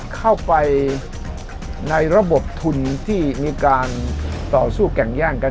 เข้าไปในระบบทุนที่มีการต่อสู้แก่งแย่งกัน